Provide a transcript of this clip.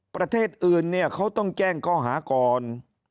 ประเทศอื่นเนี่ยเขาต้องแจ้งข้อหาก่อน